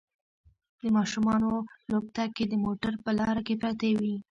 د ماشومانو لوبتکې د موټر په لاره کې پرتې وي